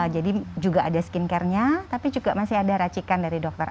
jadi juga ada skin care nya tapi juga masih ada racikan dari dokter